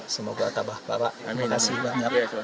semoga tabah bapak terima kasih banyak